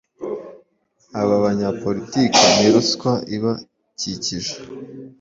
Aba banyapolitiki ni ruswa iba kijije